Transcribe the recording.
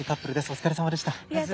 お疲れさまでした。